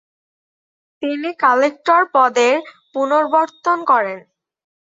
তিনি কালেক্টর পদের পুনঃপ্রবর্তন করেন।